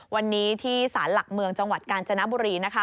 วันนี้ที่สารหลักเมืองจังหวัดกาญจนบุรีนะคะ